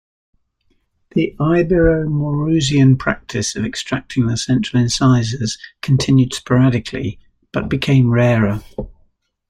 The Ibero-Maurusian practice of extracting the central incisors continued sporadically, but became rarer.